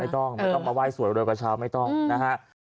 ไม่ต้องไม่ต้องมาไห้สวยเรือกระเช้าไม่ต้องนะฮะ